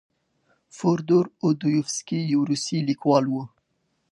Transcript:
فودور اودویفسکي یو روسي لیکوال و.